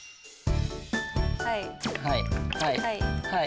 はい。